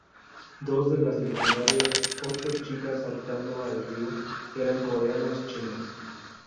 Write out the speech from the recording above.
Dos de las legendarias "Ocho chicas saltando al río" eran coreanas chinas.